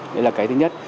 đấy là cái thứ nhất